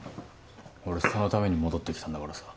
俺そのために戻ってきたんだからさ